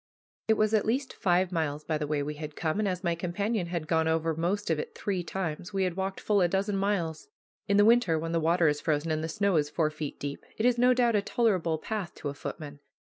It was at least five miles by the way we had come, and as my companion had gone over most of it three times he had walked full a dozen miles. In the winter, when the water is frozen and the snow is four feet deep, it is no doubt a tolerable path to a footman.